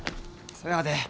そやで。